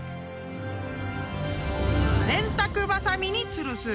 ［洗濯ばさみにつるす］